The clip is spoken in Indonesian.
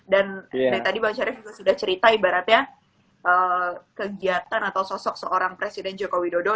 dan dari tadi bang syarif sudah cerita ibaratnya kegiatan atau sosok seorang presiden joko widodo